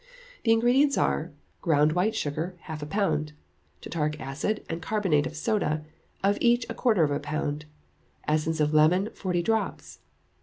The ingredients are ground white sugar, half a pound; tartaric acid and carbonate of soda, of each a quarter of a pound; essence of lemon, forty drops.